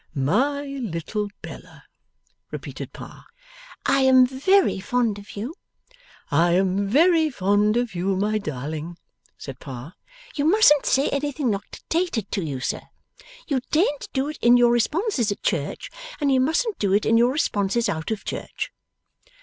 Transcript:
'My little Bella,' repeated Pa. 'I am very fond of you.' 'I am very fond of you, my darling,' said Pa. 'You mustn't say anything not dictated to you, sir. You daren't do it in your responses at Church, and you mustn't do it in your responses out of Church.